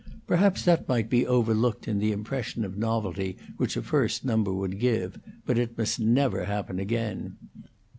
Perhaps that might be overlooked in the impression of novelty which a first number would give, but it must never happen again.